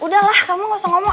udahlah kamu gak usah ngomong